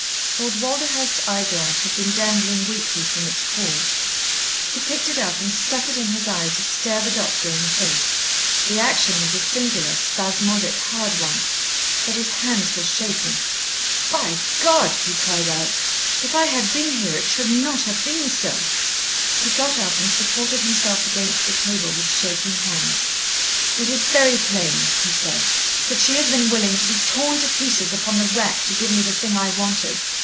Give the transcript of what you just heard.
Lord Walderhurst's eyeglass had been dangling weakly from its cord. He picked it up and stuck it in his eye to stare the doctor in the face. The action was a singular, spasmodic, hard one. But his hands were shaking. "By God!" he cried out, "if I had been here it should not have been so!" He got up and supported himself against the table with the shaking hands. "It is very plain," he said, "that she has been willing to be torn to pieces upon the rack to give me the thing I wanted.